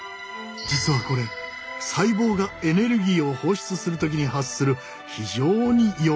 実はこれ細胞がエネルギーを放出する時に発する非常に弱い光をとらえているのだ。